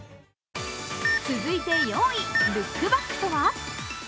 続いて４位、ルックバックとは。